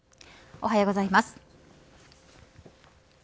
おはようございます。